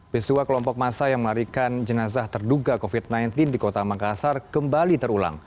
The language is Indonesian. peristiwa kelompok massa yang melarikan jenazah terduga covid sembilan belas di kota makassar kembali terulang